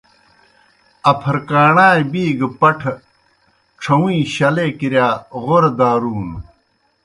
اپھرکاݨائے بِی گہ پٹ٘ہ ڇَھہُوئِیں شلے کِرِیا غورہ دارونوْ۔